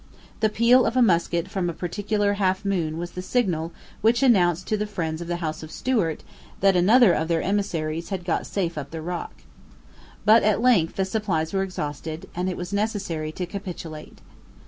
The peal of a musket from a particular half moon was the signal which announced to the friends of the House of Stuart that another of their emissaries had got safe up the rock. But at length the supplies were exhausted; and it was necessary to capitulate.